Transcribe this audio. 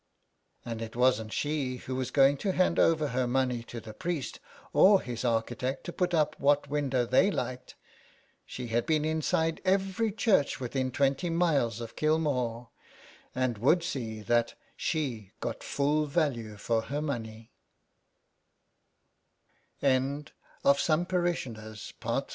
And it wasn't she who was going to hand over her money to the priest or his architect to put up what window they liked. She had been inside every church within twenty miles of Kilmore, and would see that she got full value for her m